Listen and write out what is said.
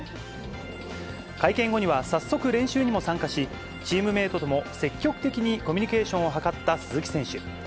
会見後には早速、練習にも参加し、チームメートとも積極的にコミュニケーションを図った鈴木選手。